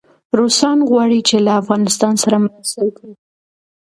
روسان غواړي چي له افغانستان سره مرسته وکړي.